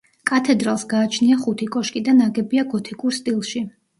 კათედრალს გააჩნია ხუთი კოშკი და ნაგებია გოთიკურ სტილში.